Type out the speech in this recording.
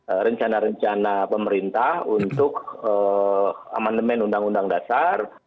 ada rencana rencana pemerintah untuk amandemen undang undang dasar